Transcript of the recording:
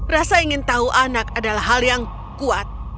rasa ingin tahu anak adalah hal yang kuat